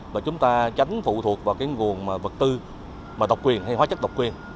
và chúng ta tránh phụ thuộc vào nguồn vật tư độc quyền hay hóa chất độc quyền